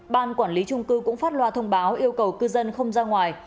ban quản lý trung cư cũng phát loa thông báo yêu cầu cư dân không ra ngoài